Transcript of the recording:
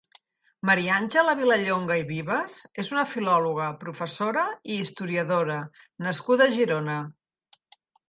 Mariàngela Vilallonga i Vives és una filòloga, professora i historiadora nascuda a Girona.